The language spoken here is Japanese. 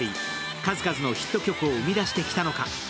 数々のヒット曲を生み出してきたのか。